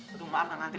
tunggu maaf kan antri